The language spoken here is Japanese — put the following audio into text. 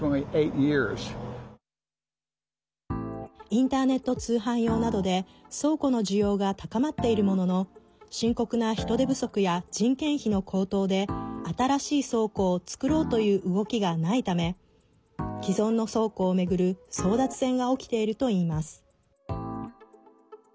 インターネット通販用などで倉庫の需要が高まっているものの深刻な人手不足や人件費の高騰で新しい倉庫を作ろうという動きがないため既存の倉庫を巡る争奪戦が起きているといいます。